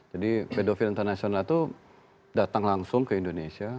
jadi pedofil internasional itu datang langsung ke indonesia